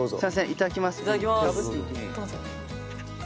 いただきます！